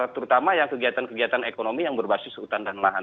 terutama yang kegiatan kegiatan ekonomi yang berbasis hutan dan lahan